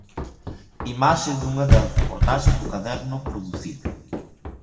Imaxe dunha das reportaxes do caderno Producir.